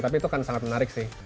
tapi itu kan sangat menarik sih